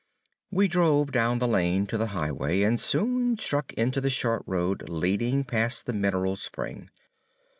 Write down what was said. We drove down the lane to the highway, and soon struck into the short road leading past the mineral spring.